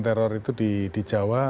teror itu di jawa